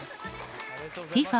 ＦＩＦＡ